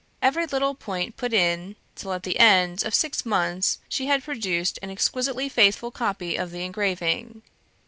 every little point put in, till at the end of six months she had produced an exquisitely faithful copy of the engraving.